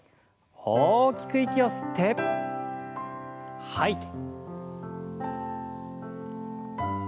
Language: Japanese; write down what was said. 大きく息を吸って吐いて。